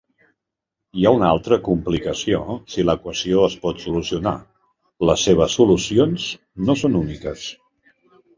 Hi ha una altra complicació si l'equació es pot solucionar: les seves solucion no són úniques.